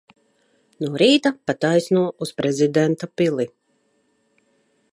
No rīta pa taisno uz prezidenta pili.